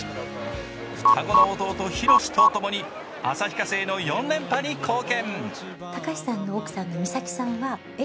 双子の弟・宏さんとともに旭化成の４連覇に貢献。